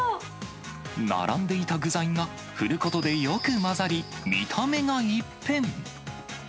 並んでいた具材が、振ることでよく混ざり、見た目が一変。